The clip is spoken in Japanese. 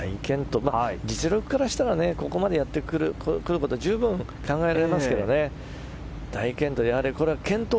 実力からしたらここまでやってくること十分考えられますけど大健闘。